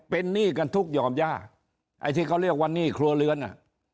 เป็นหนี้กันทุกยอมย่าไอ้ที่เขาเรียกว่าหนี้ครัวเรือนอ่ะ